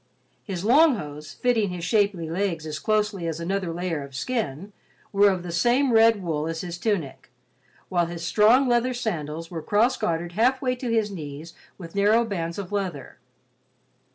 His long hose, fitting his shapely legs as closely as another layer of skin, were of the same red wool as his tunic, while his strong leather sandals were cross gartered halfway to his knees with narrow bands of leather.